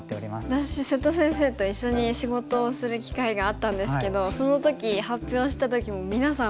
私瀬戸先生と一緒に仕事をする機会があったんですけどその時発表した時もみなさん